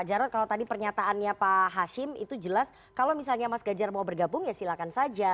karena kalau tadi pernyataannya pak hashim itu jelas kalau misalnya mas ganjar mau bergabung ya silakan saja